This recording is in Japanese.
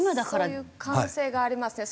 そういう可能性がありますね。